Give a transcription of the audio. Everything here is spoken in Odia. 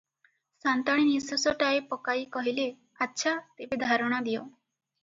ସା’ନ୍ତାଣୀ ନିଶ୍ଵାସଟାଏ ପକାଇ କହିଲେ – ଆଚ୍ଛା, ତେବେ ଧାରଣା ଦିଅ ।